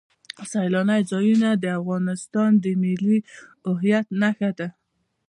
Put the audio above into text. سیلانی ځایونه د افغانستان د ملي هویت نښه ده.